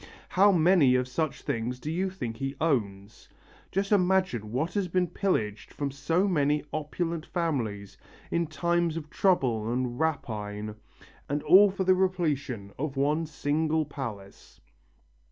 How many of such things do you think he owns? Just imagine what has been pillaged from so many opulent families in times of trouble and rapine; and all for the repletion of one single palace."